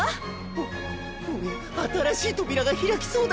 お俺新しい扉が開きそうだ